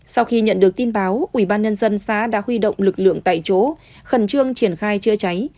sau khi nhận được tin báo ubnd xã đã huy động lực lượng tại chỗ khẩn trương triển khai chữa cháy